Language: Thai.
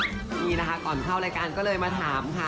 นี่นะคะก่อนเข้ารายการก็เลยมาถามค่ะ